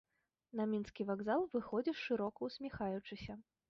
На мінскі вакзал выходзіш шырока ўсміхаючыся.